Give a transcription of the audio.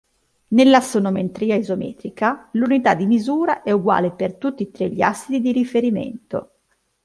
Nell'assonometria isometrica l'unità di misura è uguale per tutti tre gli assi di riferimento.